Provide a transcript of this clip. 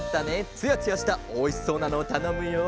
つやつやしたおいしそうなのをたのむよ。